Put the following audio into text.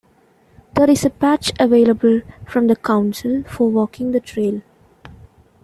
There is a patch available from the Council for walking the trail.